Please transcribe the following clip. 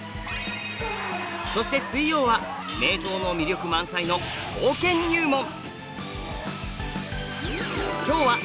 そして水曜は名刀の魅力満載の刀剣入門。